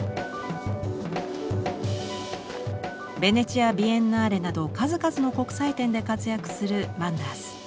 ベネチア・ビエンナーレなど数々の国際展で活躍するマンダース。